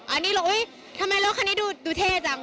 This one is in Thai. อันนี้เราอุ๊ยทำไมรถคันนี้ดูเท่จัง